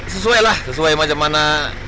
sesuai lah sesuai macam mana